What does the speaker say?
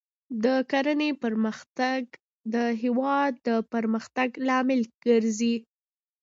د کرنې پرمختګ د هېواد د پرمختګ لامل ګرځي.